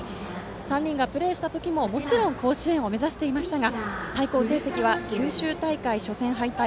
３人がプレーしたときももちろん甲子園目指していましたが最高成績は九州大会予選敗退。